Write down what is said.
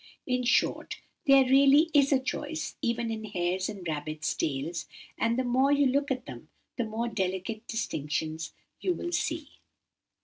In short, there really is a choice even in hares' and rabbits' tails, and the more you look at them, the more delicate distinctions you will see.